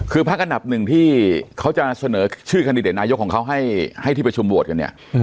คือพักอันดับหนึ่งที่เขาจะเสนอชื่อคันดิเดตนายกของเขาให้ที่ประชุมโหวตกันเนี่ย